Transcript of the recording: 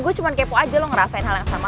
gue cuma kepo aja lo ngerasain hal yang sama